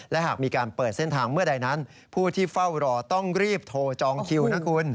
และหากมีการเปิดเส้นทางเมื่อใดนั้นผู้ที่เฝ้ารอต้องรีบโทรจองคิวนะคุณ